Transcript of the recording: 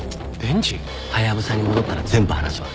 ハヤブサに戻ったら全部話すわ。